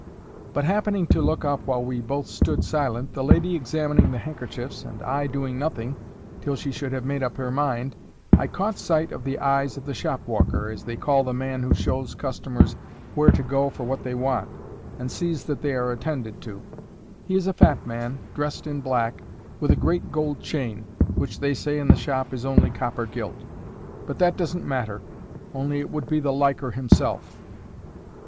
But, happening to look up while we both stood silent, the lady examining the handkerchiefs, and I doing nothing till she should have made up her mind, I caught sight of the eyes of the shop walker, as they call the man who shows customers where to go for what they want, and sees that they are attended to. He is a fat man, dressed in black, with a great gold chain, which they say in the shop is only copper gilt. But that doesn't matter, only it would be the liker himself.